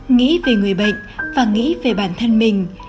nghĩ về người bệnh và nghĩ về bản thân mình